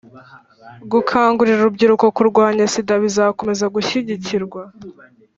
gukangurira urubyiruko kurwanya sida bizakomeza gushyigikirwa.